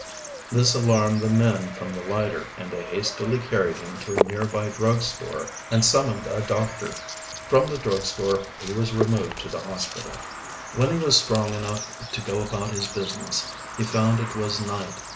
This alarmed the men from the lighter, and they hastily carried him to a nearby drug store and summoned a doctor. From the drug store he was removed to the hospital. When he was strong enough to go about his business he found it was night.